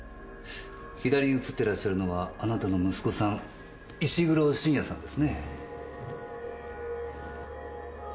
左に写ってらっしゃるのはあなたの息子さん石黒信也さんですね？